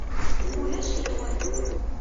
Ulac yiwen.